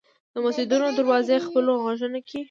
د مسجدونو دروازو خپلو غوږونو کې